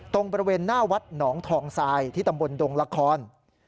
ตรงบริเวณหน้าวัดหนองทองทรายที่ตำบลดงละคร